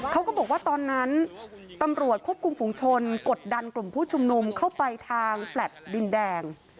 เขาก็บอกว่าตอนนั้นตำรวจควบคุมฝุงชนกดดันกลุ่มผู้ชุมนุมเข้าไปทางแฟลต์ดินแดง